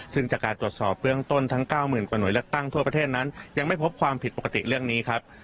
ซึ่งจากการตรวจสอบเบื้องต้นทั้ง๙๐๐กว่าหน่วยเลือกตั้งทั่วประเทศนั้นยังไม่พบความผิดปกติเรื่องนี้ครับ